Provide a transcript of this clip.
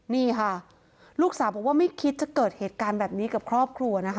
นี่ค่ะลูกสาวบอกว่าไม่คิดจะเกิดเหตุการณ์แบบนี้กับครอบครัวนะคะ